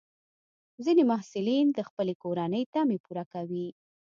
ځینې محصلین د خپلې کورنۍ تمې پوره کوي.